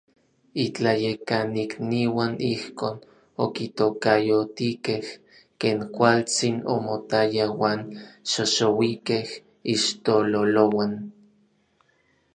Itlayekanikniuan ijkon okitokayotikej ken kualtsin omotaya uan xoxouikej iixtololouan.